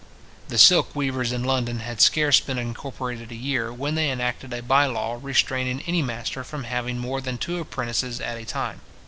The silk weavers in London had scarce been incorporated a year, when they enacted a bye law, restraining any master from having more than two apprentices at a time.